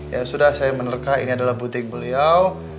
ya sudah saya menerka ini adalah butik beliau